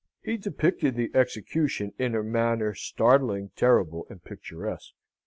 He depicted the execution in a manner startling, terrible, and picturesque.